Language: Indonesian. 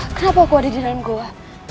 kenapa aku ada di dalam gua